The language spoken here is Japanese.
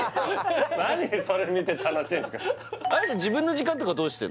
何それ見て楽しいんですか彩ちゃん